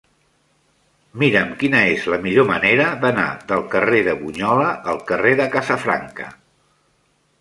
Mira'm quina és la millor manera d'anar del carrer de Bunyola al carrer de Casafranca.